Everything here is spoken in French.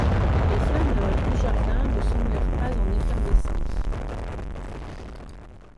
Les flâneurs du jardin ne semblèrent pas en effervescence.